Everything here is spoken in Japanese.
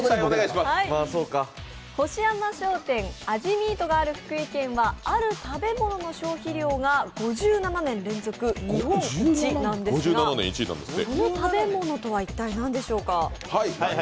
星山商店味ｍｅａｔがある福井県は、ある食べ物の消費量が５７年連続１位なんですがその食べ物とは一体何でしょうか。